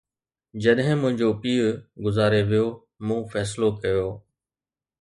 جڏهن منهنجو پيءُ گذاري ويو، مون فيصلو ڪيو